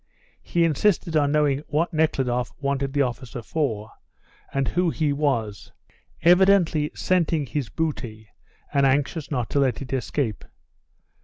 He insisted on knowing what Nekhludoff wanted the officer for, and who he was, evidently scenting his booty and anxious not to let it escape.